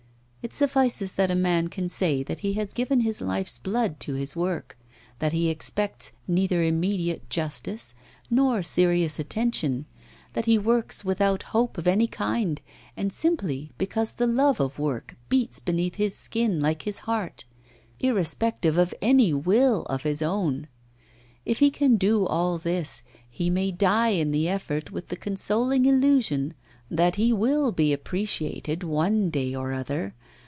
It suffices that a man can say that he has given his life's blood to his work; that he expects neither immediate justice nor serious attention; that he works without hope of any kind, and simply because the love of work beats beneath his skin like his heart, irrespective of any will of his own. If he can do all this, he may die in the effort with the consoling illusion that he will be appreciated one day or other.